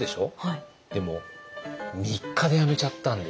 でも３日で辞めちゃったんですよ。